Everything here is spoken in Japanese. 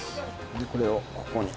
でこれをここに。